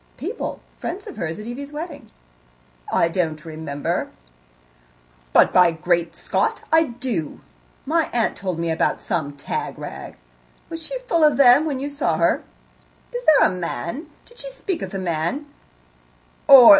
"People friends of hers at Evie's wedding." "I don't remember. But, by great Scott! I do. My aunt told me about some tag rag. Was she full of them when you saw her? Is there a man? Did she speak of the man?